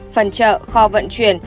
phần chợ kho vận chuyển